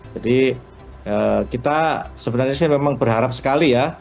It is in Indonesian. jadi kita sebenarnya memang berharap sekali ya